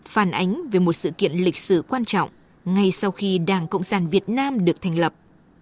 phản ánh về một sự kiện lịch sử quan trọng ngay sau khi đảng cộng sản việt nam được thành lập